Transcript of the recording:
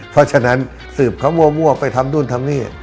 เพราะฉะนั้นสืบเขามั่วไปทำนู่นทำนี่